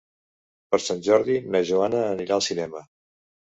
Per Sant Jordi na Joana anirà al cinema.